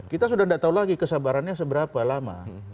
kita sudah tidak tahu lagi kesabarannya seberapa lama